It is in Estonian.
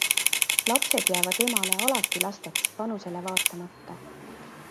Lapsed jäävad emale alati lasteks, vanusele vaatamata.